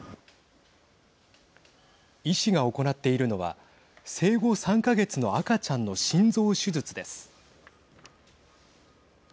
医師が行っているのは生後３か月の赤ちゃんの心臓手術です。